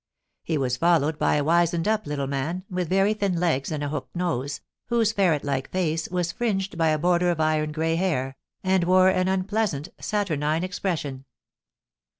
He was followed by a wizened up little man, with very thin legs and a hooked nose, whose ferret like face was fringed by a border of iron grey hair, and wore an unpleasant, saturnine expression.